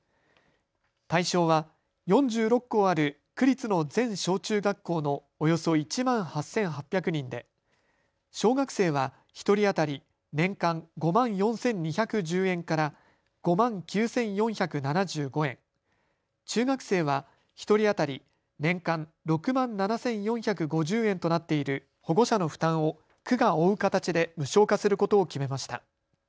対象は４６校ある区立の全小中学校のおよそ１万８８００人で小学生は１人当たり年間５万４２１０円から５万９４７５円、中学生は１人当たり年間６万７４５０円となっている保護者の負担を区が負う形で無償化することを決めました。